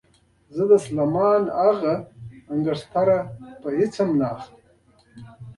زه د سلیمان هغه انګشتره په هېڅ نه اخلم.